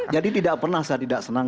jadi tidak pernah saya tidak senang